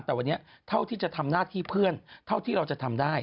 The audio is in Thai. แต่วันนี้เท่าที่จะทำหน้าที่เพื่อนเท่าที่เราจะทำได้